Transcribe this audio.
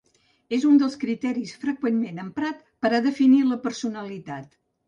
És un dels criteris freqüentment emprat per a definir la personalitat.